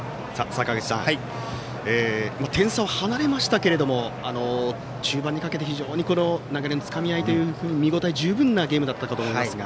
坂口さん、点差は離れましたが中盤にかけて非常に流れのつかみ合いと見応え十分なゲームだったと思いますが。